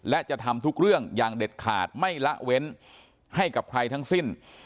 และจะทำทุกเรื่องอย่างเด็ดขาดไม่ละเว้นให้กับใครทั้งสิ้น